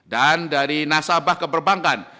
dan dari nasabah ke perbankan